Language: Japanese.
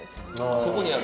そこにある？